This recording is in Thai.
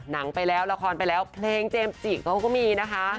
หนังไปแล้วละครไปแล้วเพลงเจมส์จิเขาก็มีนะคะ